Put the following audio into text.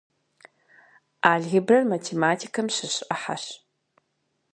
Алгебрэр математикэм щыщ ӏыхьэщ.